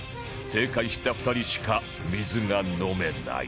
正解した２人しか水が飲めない